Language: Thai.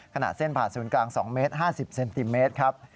ขณะเส้นผ่าศูนย์กลาง๒เมตร๕๐เซนติเมตรครับ